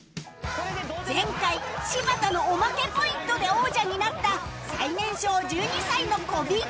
前回柴田のオマケポイントで王者になった最年少１２歳の小尾